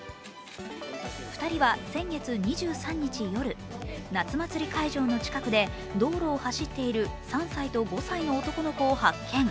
２人は先月２３日夜、夏祭り会場の近くで道路を走っている３歳と５歳の男の子を発見。